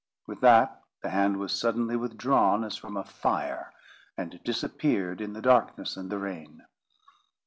With that, the hand was suddenly withdrawn as from a fire, and disappeared in the darkness and the rain.